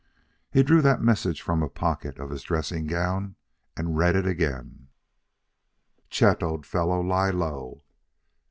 He drew that message from a pocket of his dressing gown and read it again: "Chet, old fellow, lie low.